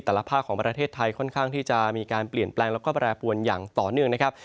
ภาคของประเทศไทยค่อนข้างที่จะมีการเปลี่ยนแปลงแล้วก็แปรปวนอย่างต่อเนื่องนะครับ